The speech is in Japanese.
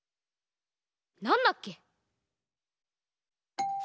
なんだっけ？